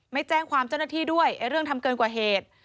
ไม่แจ้งความเจ้าหน้าที่ด้วยเรื่องทำเกินกว่าเหตุ